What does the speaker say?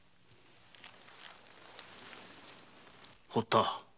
堀田。